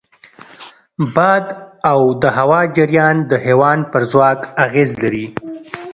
باد او د هوا جریان د حیوان پر ځواک اغېز لري.